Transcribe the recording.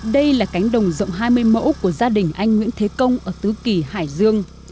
đây là cánh đồng rộng hai mươi mẫu của gia đình anh nguyễn thế công ở tứ kỳ hải dương